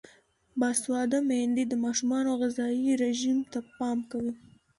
باسواده میندې د ماشومانو غذايي رژیم ته پام کوي.